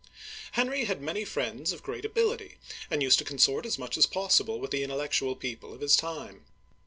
Henry had many friends of great ability, and used to consort as much as possible with the intellectual people of his time.